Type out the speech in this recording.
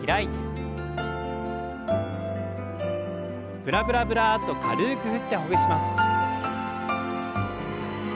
ブラブラブラッと軽く振ってほぐします。